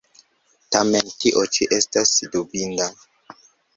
Tam tio ĉio estas dubinda.